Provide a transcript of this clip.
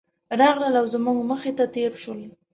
راغلل او زموږ مخې ته تېر شول.